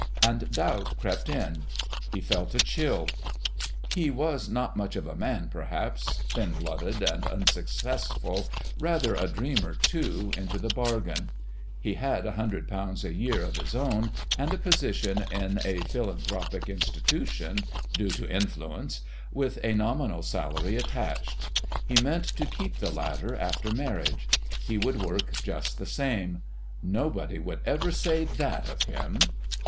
And Doubt crept in. He felt a chill. He was not much of a man, perhaps, thin blooded and unsuccessful, rather a dreamer, too, into the bargain. He had £100 a year of his own and a position in a Philanthropic Institution (due to influence) with a nominal salary attached. He meant to keep the latter after marriage. He would work just the same. Nobody should ever say that of him